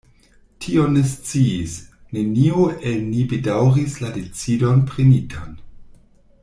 Tion ni sciis: neniu el ni bedaŭris la decidon prenitan.